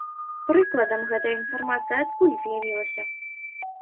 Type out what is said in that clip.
Прыкладам, гэтая інфармацыя адкуль з'явілася?